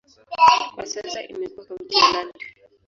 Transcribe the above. Kwa sasa imekuwa kaunti ya Nandi.